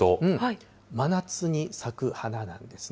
真夏に咲く花なんですね。